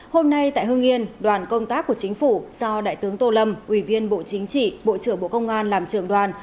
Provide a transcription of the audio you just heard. hôm nay tại hương yên đoàn công tác của chính phủ do đại tướng tô lâm ủy viên bộ chính trị bộ trưởng bộ công an làm trường đoàn